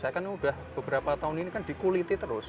saya kan sudah beberapa tahun ini kan dikuliti terus